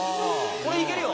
これいけるよ！